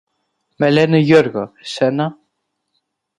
Με λένε Γιώργο. Εσένα;